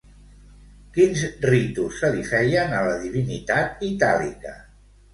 Quins ritus se li feien a la divinitat itàlica?